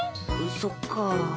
そっか。